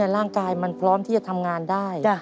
ร่างกายมันพร้อมที่จะทำงานได้